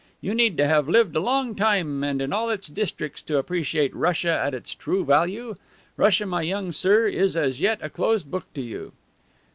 You need to have lived a long time and in all its districts to appreciate Russia at its true value. Russia, my young sir, is as yet a closed book to you."